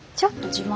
自慢？